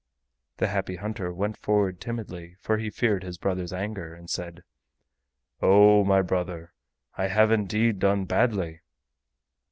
The Happy Hunter went forward timidly, for he feared his brother's anger, and said: "Oh, my brother, I have indeed done badly."